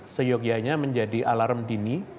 seyogyanya menjadi alarm dini